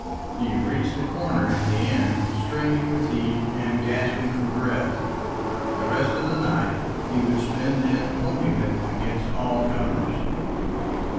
He reached the corner in the end, streaming with heat and gasping for breath; the rest of the night he would spend in holding it against all comers.